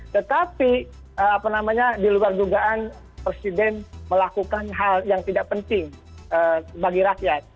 tetapi apa namanya diluar dugaan presiden melakukan hal yang tidak penting bagi rakyat